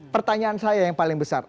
pertanyaan saya yang paling besar